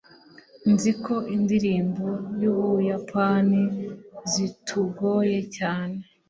Nzi ko indirimbo zUbuyapani zitugoye cyane